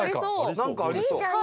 なんかありそう。